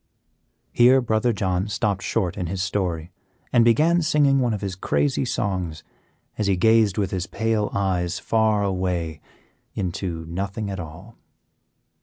'" Here Brother John stopped short in his story, and began singing one of his crazy songs, as he gazed with his pale eyes far away into nothing at all.